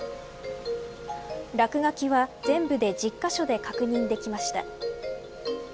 落書きは全部で１０カ所で確認できました。